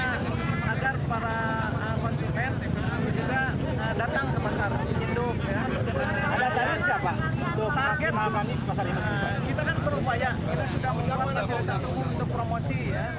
target kita kan berupaya kita sudah menggunakan nasionalitas umum untuk promosi